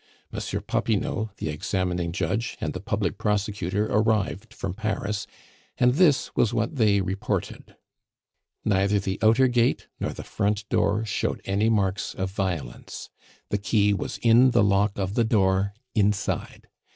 Monsieur Popinot, the examining judge, and the public prosecutor arrived from Paris, and this was what they reported: Neither the outer gate nor the front door showed any marks of violence. The key was in the lock of the door, inside.